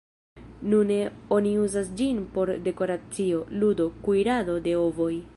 Nune oni uzas ĝin por dekoracio, ludo, kuirado de ovoj.